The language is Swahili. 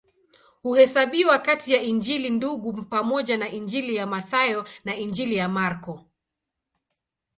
Huhesabiwa kati ya Injili Ndugu pamoja na Injili ya Mathayo na Injili ya Marko.